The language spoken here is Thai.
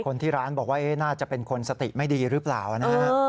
คนที่ร้านบอกว่าน่าจะเป็นคนสติไม่ดีหรือเปล่านะฮะ